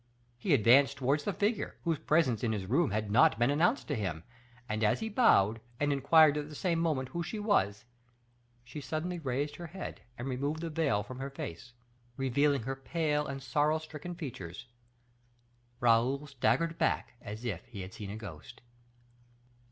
He advanced towards the figure, whose presence in his room had not been announced to him; and as he bowed, and inquired at the same moment who she was, she suddenly raised her head, and removed the veil from her face, revealing her pale and sorrow stricken features. Raoul staggered back as if he had seen a ghost.